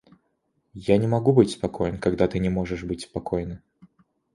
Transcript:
Я не могу быть спокоен, когда ты не можешь быть спокойна...